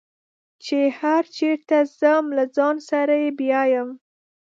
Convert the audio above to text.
چې هر چېرته ځم له ځان سره یې بیایم.